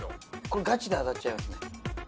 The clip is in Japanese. これガチで当たっちゃいますね。